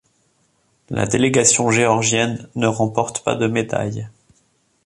La délégation géorgienne ne remporte pas de médaille.